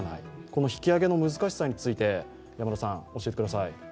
この引き揚げの難しさについて教えてください。